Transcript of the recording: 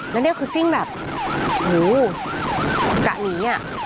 แล้วนี่คือซิ่งแบบอยู่กะหนี